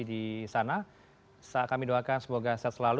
di sana kami doakan semoga sehat selalu